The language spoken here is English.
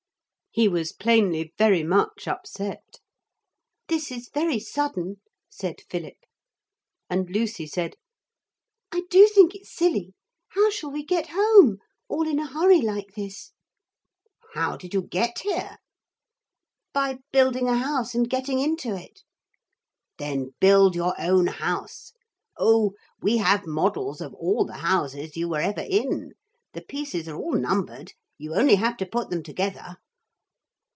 He was plainly very much upset. 'This is very sudden,' said Philip. And Lucy said, 'I do think it's silly. How shall we get home? All in a hurry, like this?' 'How did you get here?' 'By building a house and getting into it.' 'Then build your own house. Oh, we have models of all the houses you were ever in. The pieces are all numbered. You only have to put them together.'